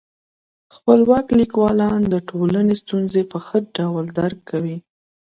خپلواک لیکوالان د ټولني ستونزي په ښه ډول درک کوي.